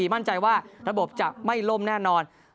มั่นใจว่าระบบจะไม่ล่มแน่นอน